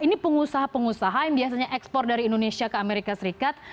ini pengusaha pengusaha yang biasanya ekspor dari indonesia ke amerika serikat